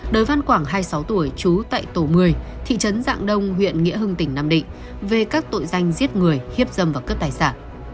đới văn quảng hai mươi sáu tuổi trú tại tổ một mươi thị trấn dạng đông huyện nghĩa hưng tỉnh nam định về các tội danh giết người hiếp dâm và cướp tài sản